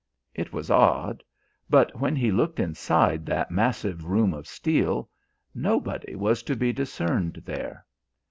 It was odd, but when he looked inside that massive room of steel, nobody was to be discerned there.